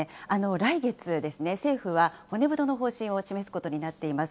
来月ですね、政府は骨太の方針を示すことになっています。